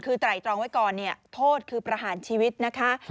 คือไตรตรองไว้ก่อนเนี่ยโทษคือประหารชีวิตนะคะ